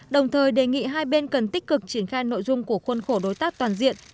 đồng thời đề nghị hai bên cần tích cực triển khai nội dung của khuôn khổ đối tác toàn diện